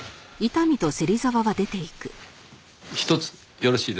ひとつよろしいですか？